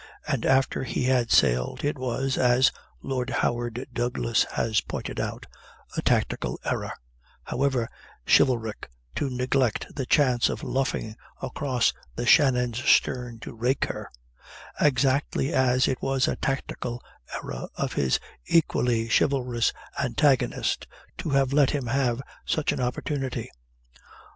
And after he had sailed, it was, as Lord Howard Douglass has pointed out, a tactical error, however chivalric to neglect the chance of luffing across the Shannon's stern to rake her; exactly as it was a tactical error of his equally chivalrous antagonist to have let him have such an opportunity.